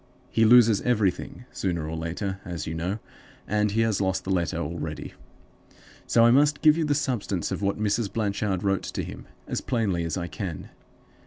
He loses everything, sooner or later, as you know, and he has lost the letter already. So I must give you the substance of what Mrs. Blanchard wrote to him, as plainly as I can.